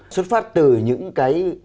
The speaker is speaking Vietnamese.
xuất phát từ những cái